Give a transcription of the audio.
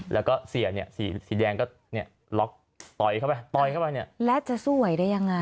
แล้วก็เสียสีแดงก็ล็อกต่อยเข้าไปและจะสู้เหว่ายังไง